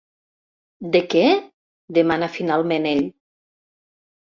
De què? —demana finalment ell.